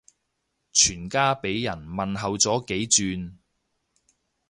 全家俾人問候咗幾轉